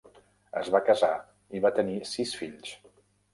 Es va casar i va tenir sis fills.